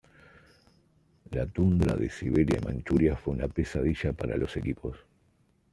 La tundra de Siberia y Manchuria fue una pesadilla para los equipos.